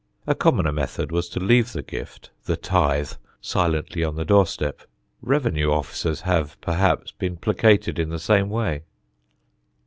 A commoner method was to leave the gift the tithe silently on the doorstep. Revenue officers have perhaps been placated in the same way.